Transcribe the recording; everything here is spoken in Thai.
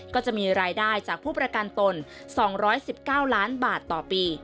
ก็จะมีรายได้จากผู้ประกันตน๒๑๙ล้านบาทต่อปี